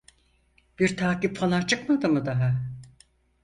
Bir takip falan çıkmadı mı daha?